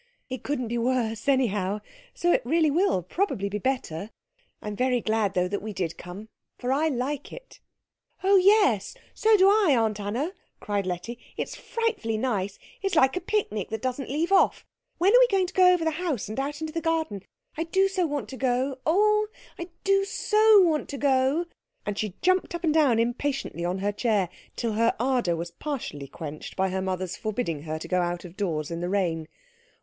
"It couldn't be worse, anyhow, so it really will probably be better. I'm very glad though that we did come, for I like it." "Oh, yes, so do I, Aunt Anna!" cried Letty. "It's frightfully nice. It's like a picnic that doesn't leave off. When are we going over the house, and out into the garden? I do so want to go oh, I do so want to go!" And she jumped up and down impatiently on her chair, till her ardour was partially quenched by her mother's forbidding her to go out of doors in the rain.